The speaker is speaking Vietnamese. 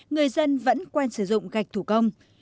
người dân vẫn quen sử dụng gạch thủ công